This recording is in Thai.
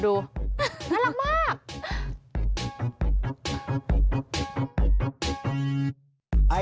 อรักมาก